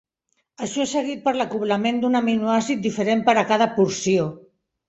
Això és seguit per l'acoblament d'un aminoàcid diferent per a cada porció.